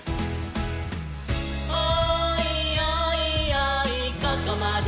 「おーいおいおいここまで」